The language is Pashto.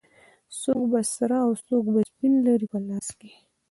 څوک به سره او څوک به سپین لري په لاس کې